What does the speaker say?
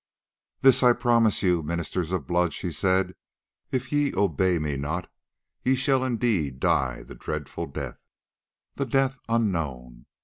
"This I promise you, ministers of blood," she said, "if ye obey me not ye shall indeed die the dreadful death, the death unknown.